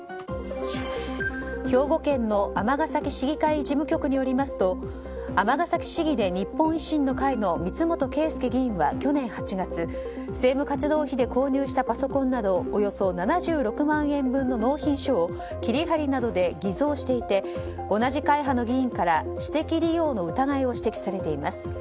兵庫県の尼崎市議会事務局によりますと尼崎市議で日本維新の会の光本圭佑議員は、去年８月政府活動費で購入したパソコンなどおよそ７６万円分の納品書を切り貼りなどで偽造して同じ会派の議員から私的利用の疑いを指摘されています。